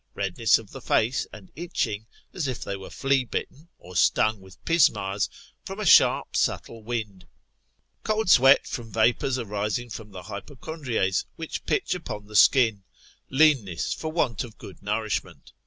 Redness of the face, and itching, as if they were flea bitten, or stung with pismires, from a sharp subtle wind. Cold sweat from vapours arising from the hypochondries, which pitch upon the skin; leanness for want of good nourishment.